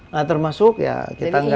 nah termasuk ya kita nggak